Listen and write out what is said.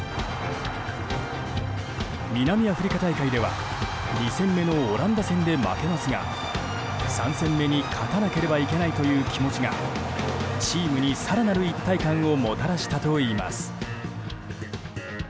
南アフリカ大会では２戦目のオランダ戦で負けますが３戦目に勝たなければいけないという気持ちがチームに更なる一体感をもたらしたといいます。